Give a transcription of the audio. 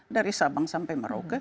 dari sabang sampai merauke